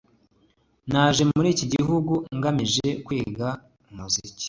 Naje muri iki gihugu ngamije kwiga umuziki